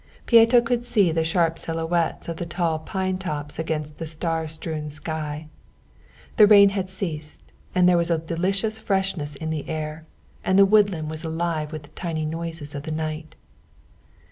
Pieto could see the sharp silhouettes of the tall pine tops against the star strewn sky. The rain had ceased, and there was a delicious freshness in the air, and the woodland was alive with the tiny noises of the night.